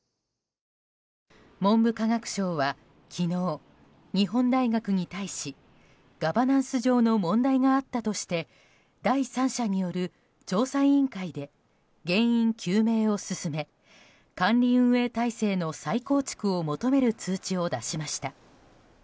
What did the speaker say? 文部科学省は昨日日本大学に対しガバナンス上の問題があったとして第三者による調査委員会で原因究明を進め管理運営体制の再構築を求める通知を出しました。